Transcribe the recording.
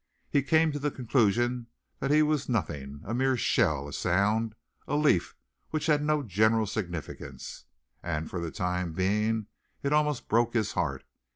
He came to the conclusion that he was nothing, a mere shell, a sound, a leaf which had no general significance, and for the time being it almost broke his heart.